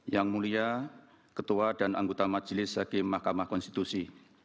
yang mulia ketua dan anggota majelis hakim mahkamah konstitusi